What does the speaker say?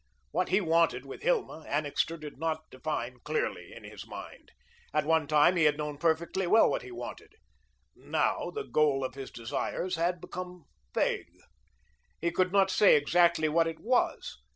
What he wanted with Hilma, Annixter did not define clearly in his mind. At one time he had known perfectly well what he wanted. Now, the goal of his desires had become vague. He could not say exactly what it was.